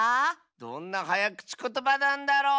どんなはやくちことばなんだろう？